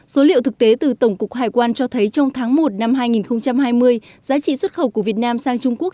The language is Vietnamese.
số liệu thực tế từ tổng cục hải quan cho thấy trong tháng một năm hai nghìn hai mươi giá trị xuất khẩu của việt nam sang trung quốc